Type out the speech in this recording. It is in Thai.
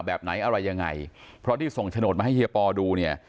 แบบไหนอะไรยังไงเพราะที่ส่งโฉนดมาให้เฮียปอดูเนี่ย